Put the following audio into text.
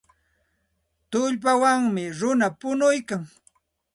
Tullpawmi runa punuykan.